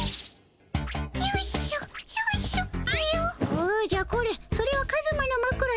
おじゃこれそれはカズマのまくらじゃ。